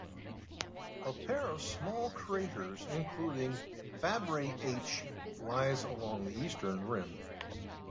A pair of small craters, including Fabry H, lies along the eastern rim.